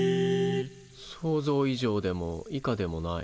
想像以上でも以下でもない。